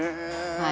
はい。